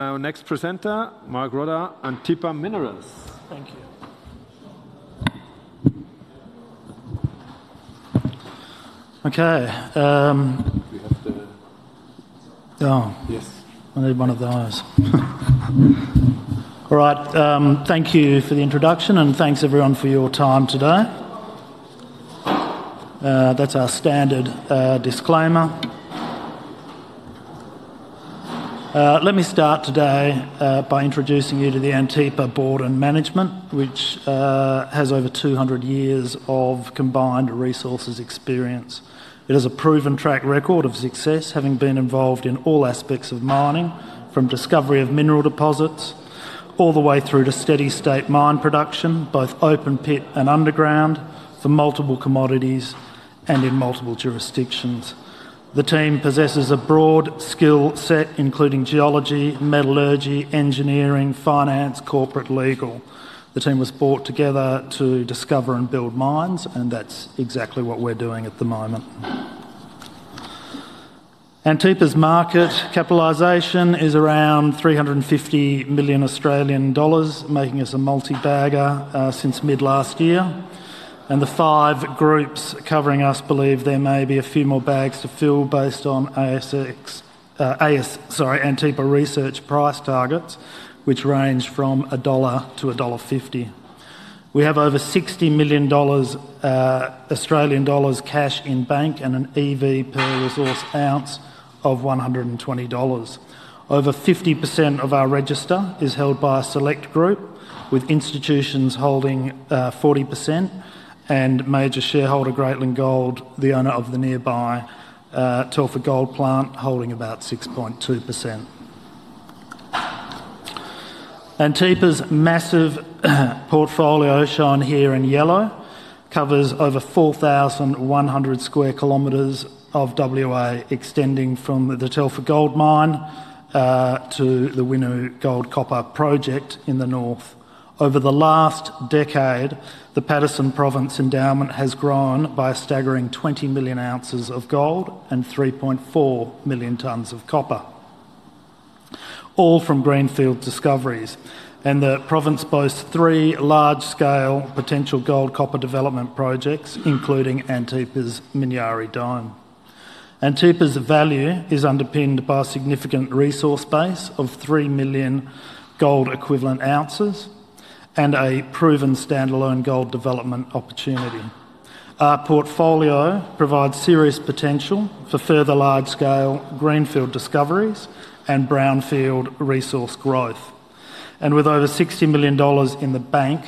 Our next presenter, Mark Rodda and Antipa Minerals. Thank you. Okay. We have the— Oh. Yes. Only one of those. All right. Thank you for the introduction, and thanks, everyone, for your time today. That is our standard disclaimer. Let me start today by introducing you to the Antipa board and management, which has over 200 years of combined resources experience. It has a proven track record of success, having been involved in all aspects of mining, from discovery of mineral deposits all the way through to steady-state mine production, both open-pit and underground, for multiple commodities and in multiple jurisdictions. The team possesses a broad skill set, including geology, metallurgy, engineering, finance, corporate legal. The team was brought together to discover and build mines, and that is exactly what we are doing at the moment. Antipa's market capitalisation is around 350 million Australian dollars, making us a multi-bagger since mid-last year. The five groups covering us believe there may be a few more bags to fill based on ASX—AS—sorry, Antipa research price targets, which range from 1-1.50 dollar. We have over 60 million dollars cash in bank and an EV per resource ounce of 120 dollars. Over 50% of our register is held by a select group, with institutions holding 40% and major shareholder Greatland Gold, the owner of the nearby Telfer Gold Plant, holding about 6.2%. Antipa's massive portfolio, shown here in yellow, covers over 4,100 sq km of Western Australia, extending from the Telfer Gold Mine to the Winu Gold Copper Project in the north. Over the last decade, the Paterson Province endowment has grown by a staggering 20 million ounces of gold and 3.4 million tonnes of copper, all from greenfield discoveries. The province boasts three large-scale potential gold copper development projects, including Antipa's Minyari Dome. Antipa's value is underpinned by a significant resource base of 3 million gold-equivalent ounces and a proven standalone gold development opportunity. Our portfolio provides serious potential for further large-scale greenfield discoveries and brownfield resource growth. With over 60 million dollars in the bank,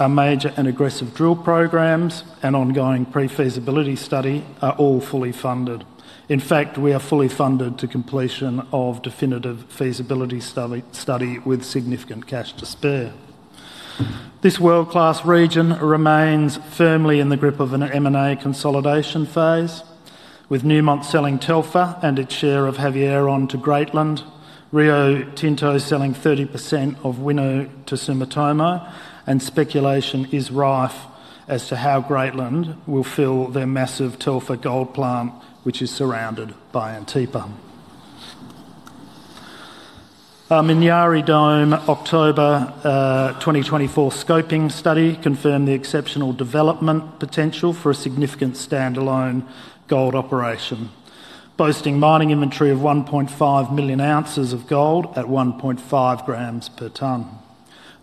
our major and aggressive drill programs and ongoing pre-feasibility study are all fully funded. In fact, we are fully funded to completion of definitive feasibility study with significant cash to spare. This world-class region remains firmly in the grip of an M&A consolidation phase, with Newmont selling Telfer and its share of Havieron to Greatland, Rio Tinto selling 30% of Winu to Sumitomo, and speculation is rife as to how Greatland will fill their massive Telfer Gold Plant, which is surrounded by Antipa. Minyari Dome October 2024 scoping study confirmed the exceptional development potential for a significant standalone gold operation, boasting mining inventory of 1.5 million ounces of gold at 1.5 g/t.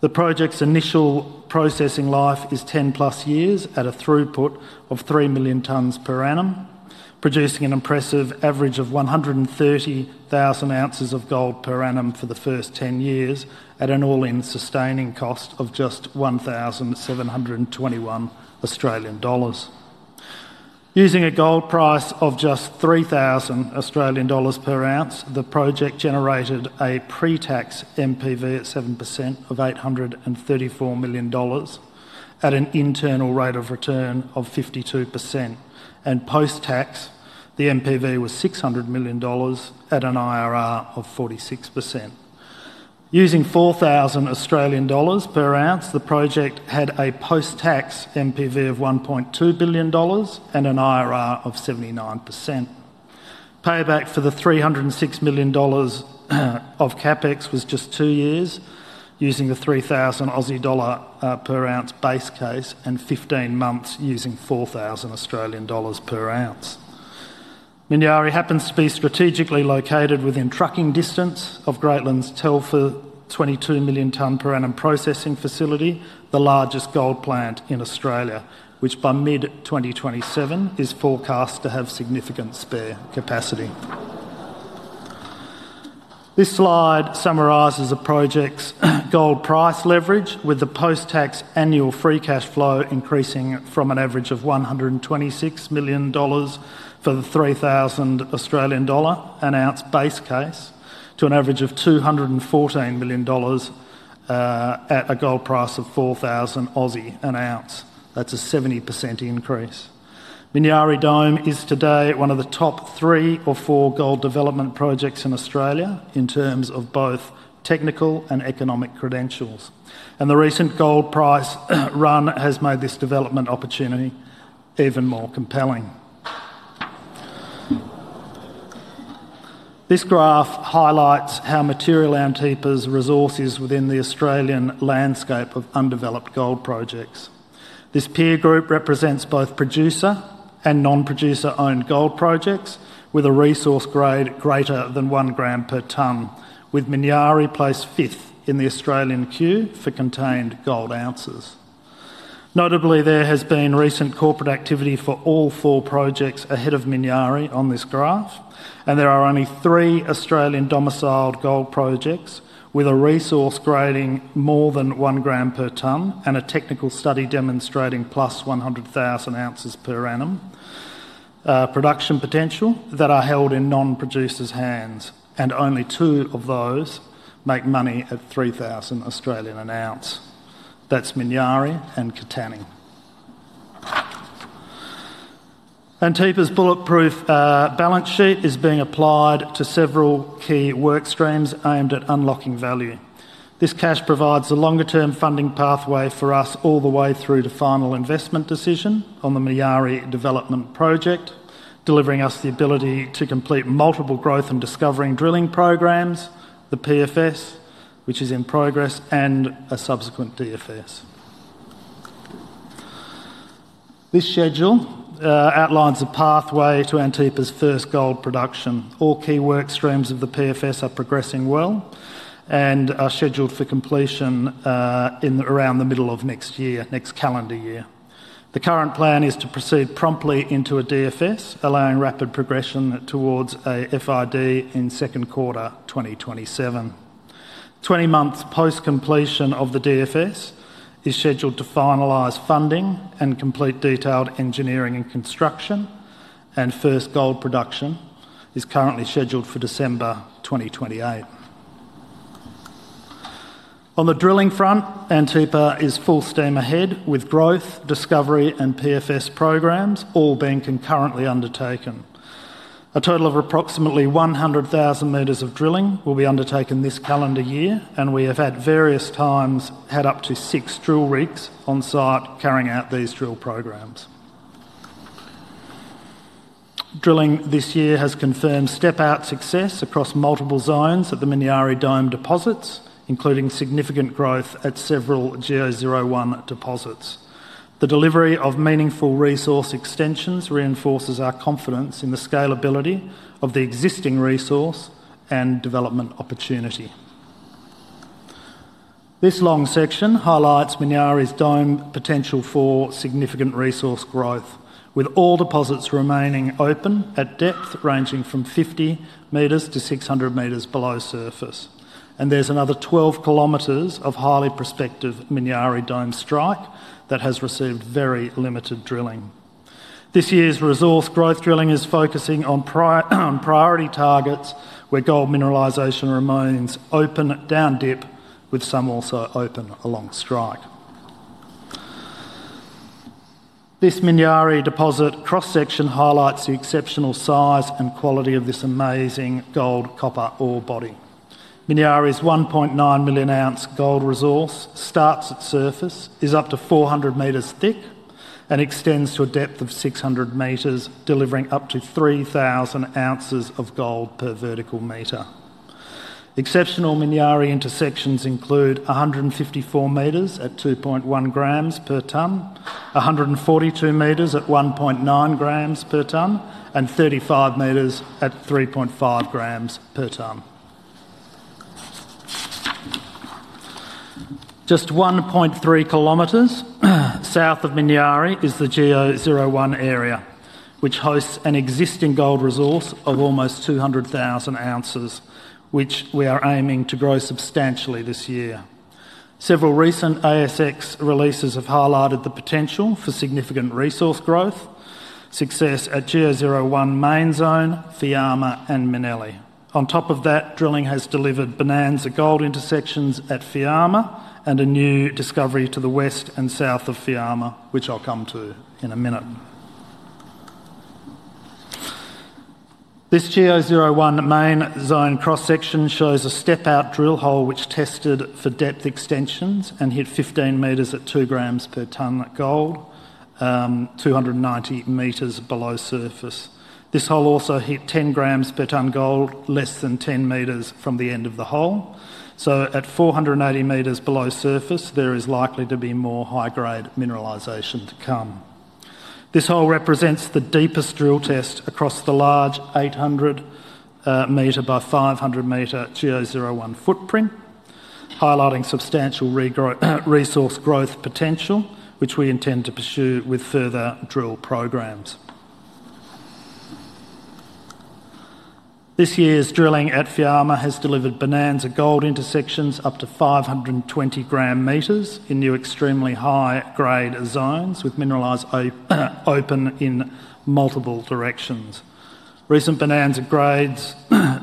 The project's initial processing life is 10 plus years at a throughput of 3 million tonnes per annum, producing an impressive average of 130,000 ounces of gold per annum for the first 10 years at an all-in sustaining cost of just 1,721 Australian dollars. Using a gold price of just 3,000 Australian dollars per ounce, the project generated a pre-tax NPV at 7% of 834 million dollars at an internal rate of return of 52%. Post-tax, the NPV was 600 million dollars at an IRR of 46%. Using 4,000 Australian dollars per ounce, the project had a post-tax NPV of 1.2 billion dollars and an IRR of 79%. Payback for the 306 million dollars of CapEx was just two years, using the 3,000 Aussie dollar per ounce base case, and 15 months using 4,000 Australian dollars per ounce. Minyari happens to be strategically located within trucking distance of Greatland's Telfer 22 million tonne per annum processing facility, the largest gold plant in Australia, which by mid-2027 is forecast to have significant spare capacity. This slide summarizes the project's gold price leverage, with the post-tax annual free cash flow increasing from an average of 126 million dollars for the 3,000 Australian dollar an ounce base case to an average of 214 million dollars at a gold price of 4,000 an ounce. That's a 70% increase. Minyari Dome is today one of the top three or four gold development projects in Australia in terms of both technical and economic credentials. The recent gold price run has made this development opportunity even more compelling. This graph highlights how material Antipa's resource is within the Australian landscape of undeveloped gold projects. This peer group represents both producer and non-producer-owned gold projects with a resource grade greater than 1 g/t, with Minyari placed fifth in the Australian queue for contained gold ounces. Notably, there has been recent corporate activity for all four projects ahead of Minyari on this graph, and there are only three Australian domiciled gold projects with a resource grading more than 1 g/t and a technical study demonstrating plus 100,000 ounces per annum production potential that are held in non-producers' hands, and only two of those make money at 3,000 an ounce. That's Minyari and Katanning. Antipa's bulletproof balance sheet is being applied to several key workstreams aimed at unlocking value. This cash provides a longer-term funding pathway for us all the way through to final investment decision on the Minyari development project, delivering us the ability to complete multiple growth and discovery drilling programmes, the PFS, which is in progress, and a subsequent DFS. This schedule outlines a pathway to Antipa's first gold production. All key workstreams of the PFS are progressing well and are scheduled for completion around the middle of next year, next calendar year. The current plan is to proceed promptly into a DFS, allowing rapid progression towards a FID in second quarter 2027. Twenty months post-completion of the DFS is scheduled to finalise funding and complete detailed engineering and construction, and first gold production is currently scheduled for December 2028. On the drilling front, Antipa is full steam ahead with growth, discovery, and PFS programmes all being concurrently undertaken. A total of approximately 100,000 meters of drilling will be undertaken this calendar year, and we have at various times had up to six drill rigs on site carrying out these drill programs. Drilling this year has confirmed step-out success across multiple zones at the Minyari Dome deposits, including significant growth at several GEO-01 deposits. The delivery of meaningful resource extensions reinforces our confidence in the scalability of the existing resource and development opportunity. This long section highlights Minyari Dome's potential for significant resource growth, with all deposits remaining open at depth ranging from 50 meters to 600 meters below surface. There is another 12 kilometers of highly prospective Minyari Dome strike that has received very limited drilling. This year's resource growth drilling is focusing on priority targets where gold mineralization remains open down dip, with some also open along strike. This Minyari deposit cross-section highlights the exceptional size and quality of this amazing gold copper ore body. Minyari's 1.9 million ounce gold resource starts at surface, is up to 400 meters thick, and extends to a depth of 600 meters, delivering up to 3,000 ounces of gold per vertical meter. Exceptional Minyari intersections include 154 meters at 2.1 g/t, 142 meters at 1.9 g/t, and 35 meters at 3.5 g/t. Just 1.3 km south of Minyari is the GEO-01 area, which hosts an existing gold resource of almost 200,000 ounces, which we are aiming to grow substantially this year. Several recent ASX releases have highlighted the potential for significant resource growth, success at GEO-01 main zone, Fiama, and Minelli. On top of that, drilling has delivered bonanza gold intersections at Fiama and a new discovery to the west and south of Fiama, which I'll come to in a minute. This GEO-01 main zone cross-section shows a step-out drill hole which tested for depth extensions and hit 15 meters at 2 g/t gold, 290 meters below surface. This hole also hit 10 g/t gold less than 10 meters from the end of the hole. At 480 meters below surface, there is likely to be more high-grade mineralisation to come. This hole represents the deepest drill test across the large 800 meter by 500 meter GEO-01 footprint, highlighting substantial resource growth potential, which we intend to pursue with further drill programs. This year's drilling at Fiama has delivered bonanza gold intersections up to 520 g/m in new extremely high-grade zones with mineralisation open in multiple directions. Recent bonanza grades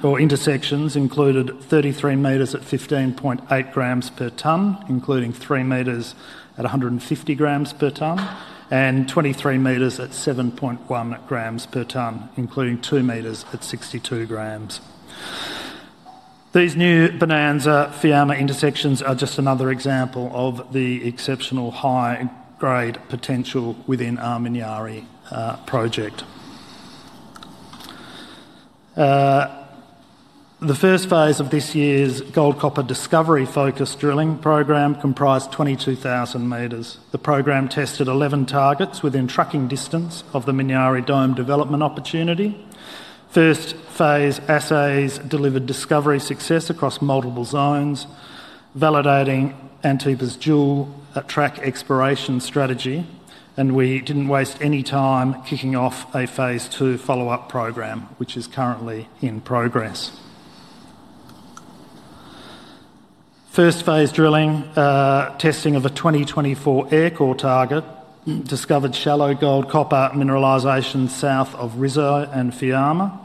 or intersections included 33 metres at 15.8 g/t, including 3 metres at 150 g/t, and 23 metres at 7.1 g/t, including 2 metres at 62g. These new bonanza Fiama intersections are just another example of the exceptional high-grade potential within our Minyari project. The first phase of this year's gold copper discovery focused drilling programme comprised 22,000 metres. The programme tested 11 targets within trucking distance of the Minyari Dome development opportunity. First phase assays delivered discovery success across multiple zones, validating Antipa's dual track exploration strategy, and we did not waste any time kicking off a phase two follow-up programme, which is currently in progress. First phase drilling testing of a 2024 aircore target discovered shallow gold copper mineralisation south of Rizzo and Fiama,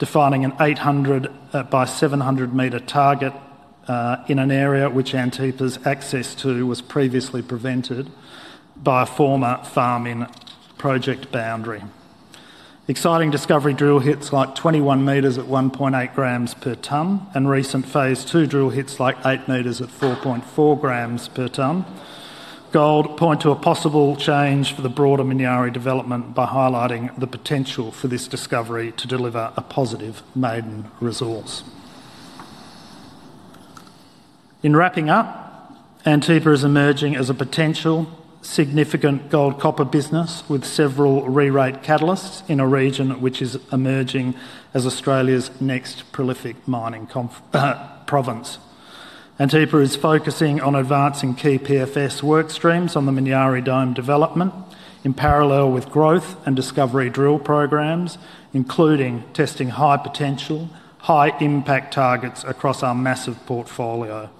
defining an 800 by 700 metre target in an area which Antipa's access to was previously prevented by a former farming project boundary. Exciting discovery drill hits like 21 metres at 1.8 g/t and recent phase two drill hits like 8 metres at 4.4 g/t gold point to a possible change for the broader Minyari development by highlighting the potential for this discovery to deliver a positive maiden resource. In wrapping up, Antipa is emerging as a potential significant gold copper business with several rerate catalysts in a region which is emerging as Australia's next prolific mining province. Antipa is focusing on advancing key PFS workstreams on the Minyari Dome development in parallel with growth and discovery drill programmes, including testing high potential, high impact targets across our massive portfolio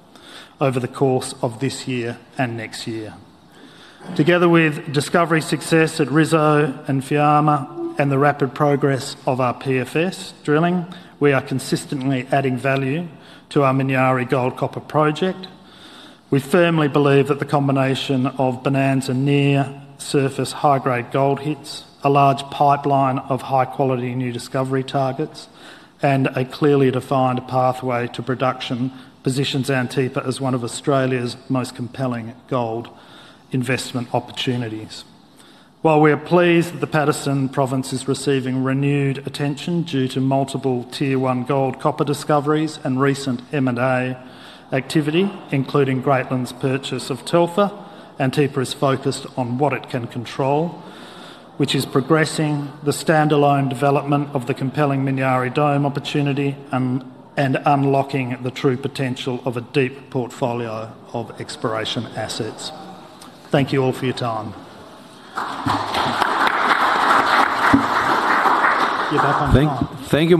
over the course of this year and next year. Together with discovery success at Rizzo and Fiama and the rapid progress of our PFS drilling, we are consistently adding value to our Minyari gold copper project. We firmly believe that the combination of bonanza near surface high-grade gold hits, a large pipeline of high-quality new discovery targets, and a clearly defined pathway to production positions Antipa as one of Australia's most compelling gold investment opportunities. While we are pleased that the Paterson Province is receiving renewed attention due to multiple tier one gold copper discoveries and recent M&A activity, including Greatland's purchase of Telfer, Antipa is focused on what it can control, which is progressing the standalone development of the compelling Minyari Dome opportunity and unlocking the true potential of a deep portfolio of exploration assets. Thank you all for your time. [You're back on time. Thank you.